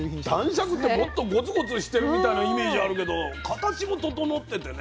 男爵ってもっとゴツゴツしてるみたいなイメージあるけど形も整っててね。